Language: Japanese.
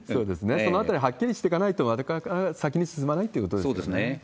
そのあたりはっきりしていかないと、また先に進まないということですね？